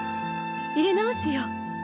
いれ直すよ。